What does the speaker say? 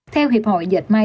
theo hiệp hội diệt mai